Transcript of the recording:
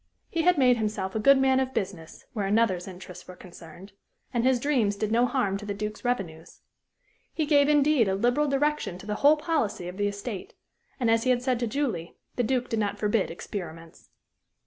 He had made himself a good man of business where another's interests were concerned, and his dreams did no harm to the Duke's revenues. He gave, indeed, a liberal direction to the whole policy of the estate, and, as he had said to Julie, the Duke did not forbid experiments.